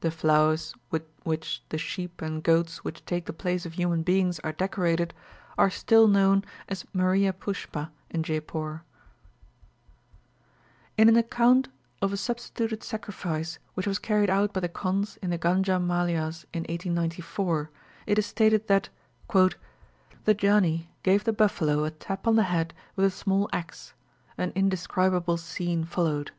The flowers with which the sheep and goats which take the place of human beings are decorated are still known as meriah pushpa in Jeypore. In an account of a substituted sacrifice, which was carried out by the Kondhs in the Ganjam Maliahs in 1894, it is stated that, "the Janni gave the buffalo a tap on the head with a small axe. An indescribable scene followed.